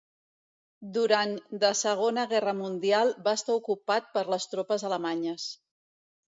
Durant de Segona Guerra Mundial va estar ocupat per les tropes alemanyes.